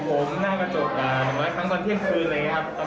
ก็คือเหมือนเรานั่งวีโภงหน้ากระจกอ่าอย่างไรทั้งตอนเที่ยงคืนอะไรอย่างนี้ครับ